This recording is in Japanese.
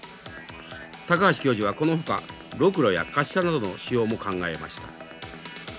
高橋教授はこのほかロクロや滑車などの使用も考えました。